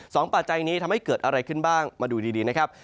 ปัจจัยนี้ทำให้เกิดอะไรขึ้นบ้างมาดูดีนะครับ